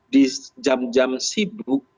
di jam jam sibuk